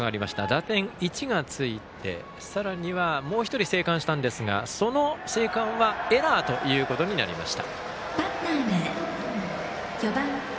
打点１がついてさらにはもう一人生還したんですがその生還はエラーということになりました。